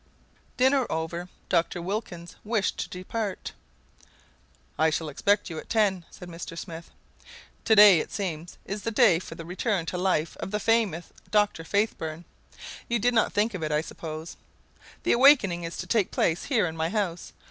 Dinner over, Dr. Wilkins wished to depart. "I shall expect you at ten," said Mr Smith. "To day, it seems, is the day for the return to life of the famous Dr. Faithburn. You did not think of it, I suppose. The awakening is to take place here in my house.